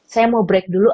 saya mau break dulu